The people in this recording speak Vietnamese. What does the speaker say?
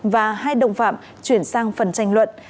và hai đồng phạm chuyển sang phần tranh luận